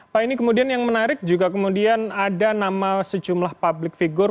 pak ini kemudian yang menarik juga kemudian ada nama sejumlah public figure